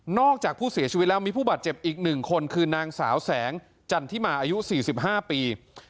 นอกจากผู้เสียชีวิตแล้วมีผู้บัตรเจ็บอีก๑คนคือนางสาวแสงอายุ๔๕ปี